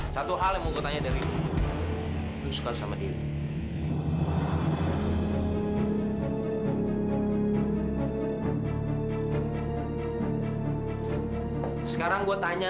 sampai jumpa di video selanjutnya